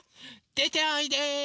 でておいで。